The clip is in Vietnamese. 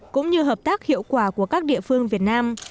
cũng như hợp tác hiệu quả của các địa phương việt nam